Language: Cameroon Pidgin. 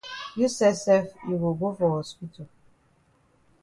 You sef sef you go go for hospital.